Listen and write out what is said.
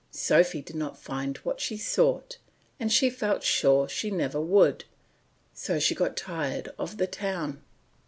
Sophy did not find what she sought, and she felt sure she never would, so she got tired of the town.